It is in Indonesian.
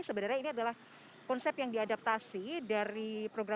sebenarnya ini adalah konsep yang diadaptasi dari program